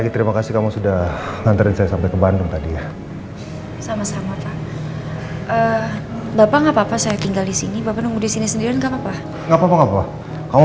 itu seluruh tempat yang saya percaya